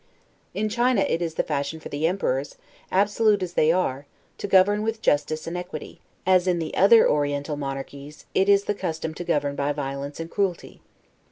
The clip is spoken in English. In China it is the fashion for the emperors, absolute as they are, to govern with justice and equity; as in the other Oriental monarchies, it is the custom to govern by violence and cruelty.